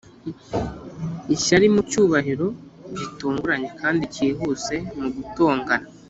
ishyari mucyubahiro, gitunguranye kandi cyihuse mu gutongana,